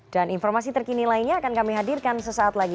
dan informasi terkini lainnya akan kami hadirkan sesaat lagi